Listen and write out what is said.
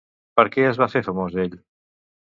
Per què es va fer famós ell?